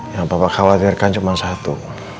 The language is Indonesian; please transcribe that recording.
yang papa khawatirkan cuman satu